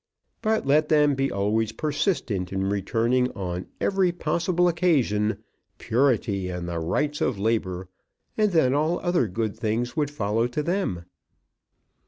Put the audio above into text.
But let them be always persistent in returning on every possible occasion Purity and the Rights of Labour, and then all other good things would follow to them.